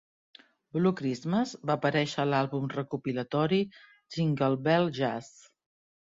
"Blue Xmas" va aparèixer a l'àlbum recopilatori "Jingle Bell Jazz".